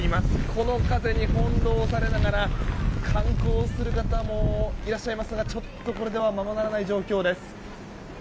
この風に翻弄されながら観光する方もいらっしゃいますがちょっとこれではままならない状況です。